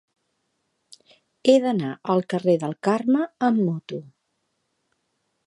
He d'anar al carrer del Carme amb moto.